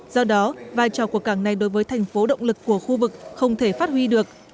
do đó vai trò của cảng này đối với thành phố động lực của khu vực không thể phát huy được